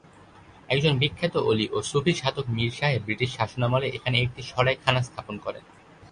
একজন বিখ্যাত অলি ও সুফি সাধক মীর সাহেব ব্রিটিশ শাসনামলে এখানে একটি সরাই খানা স্থাপন করেন।